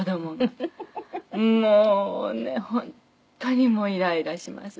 もうね本当にイライラします。